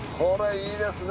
いいっすね。